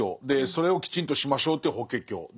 でそれをきちんとしましょうという「法華経」。